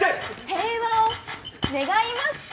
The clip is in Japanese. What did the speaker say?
平和を願います。